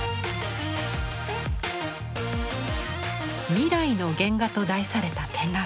「未来の原画」と題された展覧会。